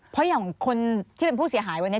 เพราะอย่างคนที่เป็นผู้เสียหายวันนี้